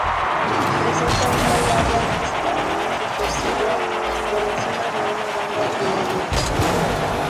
Presenta una larga lista superciliar por encima de una banda ocular negra.